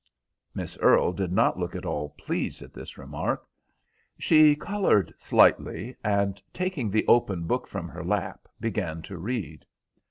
Miss Earle did not look at all pleased at this remark. She coloured slightly, and, taking the open book from her lap, began to read.